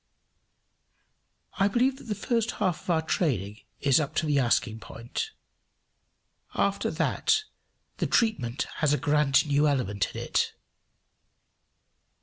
] I believe that the first half of our training is up to the asking point; after that the treatment has a grand new element in it.